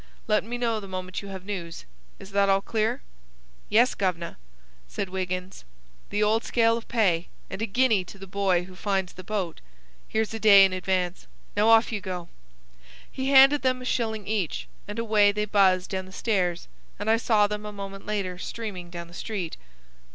Let me know the moment you have news. Is that all clear?" "Yes, guv'nor," said Wiggins. "The old scale of pay, and a guinea to the boy who finds the boat. Here's a day in advance. Now off you go!" He handed them a shilling each, and away they buzzed down the stairs, and I saw them a moment later streaming down the street.